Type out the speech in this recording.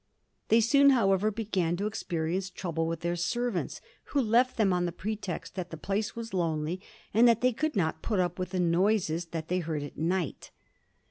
They soon, however, began to experience trouble with their servants, who left them on the pretext that the place was lonely, and that they could not put up with the noises that they heard at night.